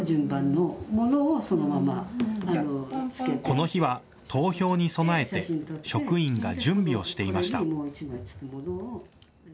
この日は投票に備えて職員が準備をしていました。